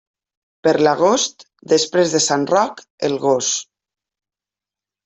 Per l'agost, després de Sant Roc, el gos.